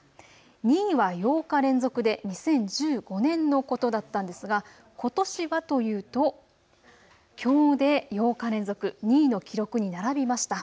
２位は８日連続で２０１５年のことだったんですが、ことしはというときょうで８日連続、２位の記録に並びました。